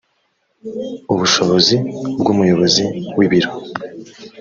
ubushobozi bw umuyobozi w ibiro